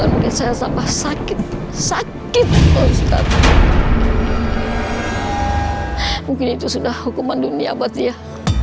mungkin saya sapa sakit sakit mungkin itu sudah hukuman dunia abadiyah